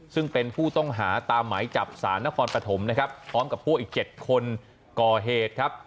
ซึ่งเป็นผู้ต้องหาตามหมายจับสารนครปฐมนะครับพร้อมกับพวกอีก๗คนก่อเหตุครับ